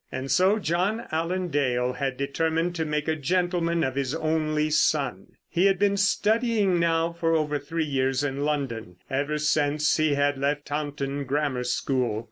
And so John Allen Dale had determined to make a gentleman of his only son. He had been studying now for over three years in London—ever since he had left Taunton Grammar School.